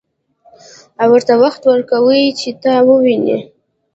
او ورته وخت ورکوي چې تا وويني.